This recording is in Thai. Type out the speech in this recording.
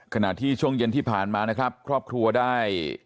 ขณะที่ช่วงเย็นที่ผ่านมานะครับครอบครัวได้